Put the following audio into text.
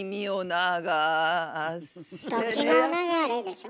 「時の流れ」でしょ。